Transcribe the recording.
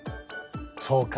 そうか。